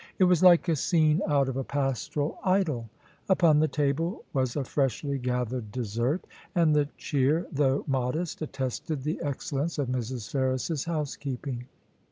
It was like a scene out of a pastoral idyl Upon the table was a freshly gathered dessert, and the cheer, though modest, attested the excel lence of Mrs. Ferris's housekeeping.